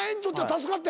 助かった。